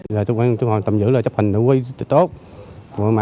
với sự nỗ lực chung tay